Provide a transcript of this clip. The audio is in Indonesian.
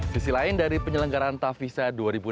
sisi lain dari penyelenggaran tavisa dua ribu enam belas